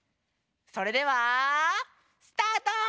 それではスタート！